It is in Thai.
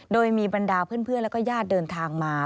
โดยมีบรรดาเพื่อนแล้วก็ญาติเดินทางมา